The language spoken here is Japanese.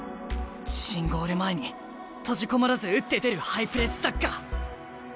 自陣ゴール前に閉じ籠もらず打って出るハイプレスサッカー。